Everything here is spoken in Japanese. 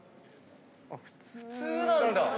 普通なんだ。